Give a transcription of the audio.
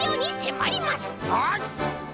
はい！